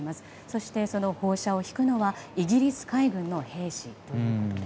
そしてその砲車を引くのはイギリス海軍の兵士ということで。